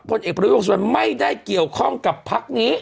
พลเอกวิทย์วงสุวรรณไม่ได้เกี่ยวข้องกับพลักษณ์นี้